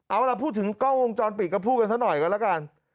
เอาล่ะพูดถึงกล้องวงจรปิดก็พูดกันซะหน่อยกันแล้วกัน